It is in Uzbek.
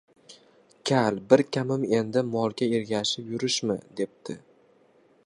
Kal, bir kamim endi molga ergashib yurishmi, depti!